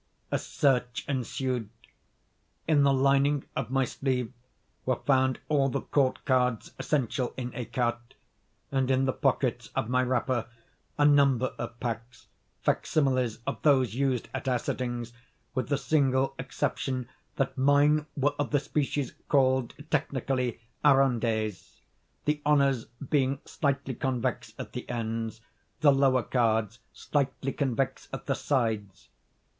A search ensued. In the lining of my sleeve were found all the court cards essential in écarté, and, in the pockets of my wrapper, a number of packs, facsimiles of those used at our sittings, with the single exception that mine were of the species called, technically, arrondees; the honours being slightly convex at the ends, the lower cards slightly convex at the sides.